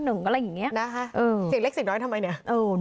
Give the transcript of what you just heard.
สิ่งเล็กสิ่งน้อยทำไมเนี่ย